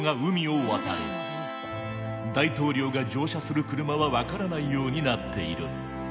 大統領が乗車する車は分からないようになっている。